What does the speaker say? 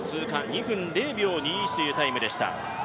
２分０秒２１というタイムでした。